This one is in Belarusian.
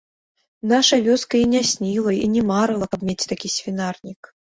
Наша вёска і не сніла, і не марыла, каб мець такі свінарнік.